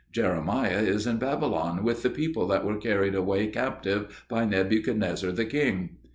Jeremiah is in Babylon with the people that were carried away captive by Nebuchadnezzar the king."